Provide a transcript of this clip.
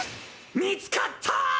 見つかった！